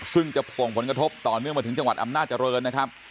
ซึ่งจะส่งผลกระทบต่อเนื่องมาถึงจังหวัดอำนาจริงนะครับ